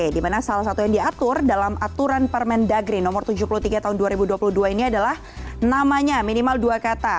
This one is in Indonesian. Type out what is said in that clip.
dimana salah satu yang diatur dalam aturan permendagri no tujuh puluh tiga tahun dua ribu dua puluh dua ini adalah namanya minimal dua kata